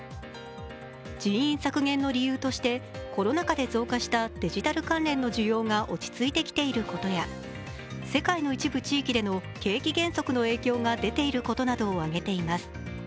人員削減の理由としてコロナ禍で増加したデジタル関連の需要が落ち着いてきていることや、世界の一部地域での景気減速の影響が出ていることなどを挙げています。